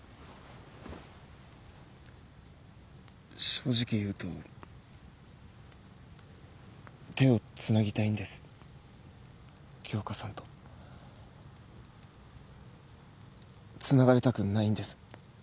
正直言うと手をつなぎたいんです杏花さんとつながれたくないんです